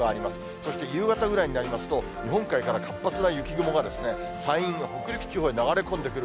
そして夕方ぐらいになりますと、日本海から活発な雪雲が山陰、北陸地方へと流れ込んでくる。